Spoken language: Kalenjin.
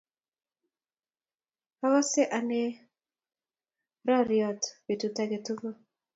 akose anee ratioit betut age tugul.